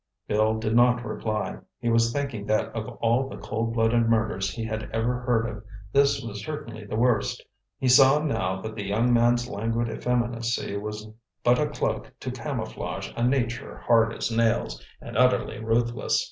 Bill did not reply. He was thinking that of all the cold blooded murders he had ever heard of, this was certainly the worst. He saw now that the young man's languid effeminacy was but a cloak to camouflage a nature hard as nails and utterly ruthless.